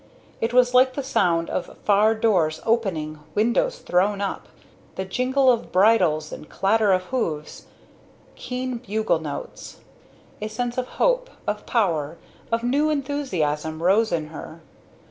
It was like the sound of far doors opening, windows thrown up, the jingle of bridles and clatter of hoofs, keen bugle notes. A sense of hope, of power, of new enthusiasm, rose in her.